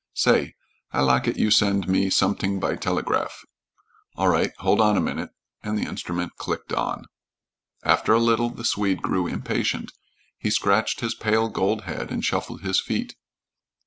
"Say, I lak it you send me somet'ing by telegraph." "All right. Hold on a minute," and the instrument clicked on. After a little the Swede grew impatient. He scratched his pale gold head and shuffled his feet.